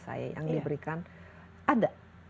saya yang diberikan ada